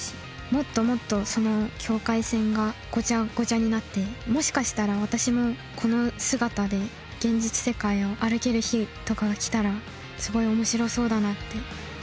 もっともっとその境界線がごちゃごちゃになってもしかしたら私もこの姿で現実世界を歩ける日とかが来たらすごい面白そうだなって。